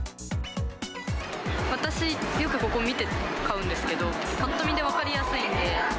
私、よくここ見て買うんですけど、ぱっと見で分かりやすいんで。